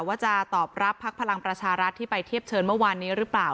ว่าจะตอบรับพักพลังประชารัฐที่ไปเทียบเชิญเมื่อวานนี้หรือเปล่า